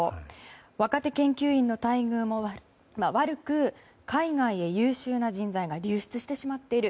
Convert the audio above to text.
若手研究員の待遇も悪く海外へ優秀な人材が流出してしまっている。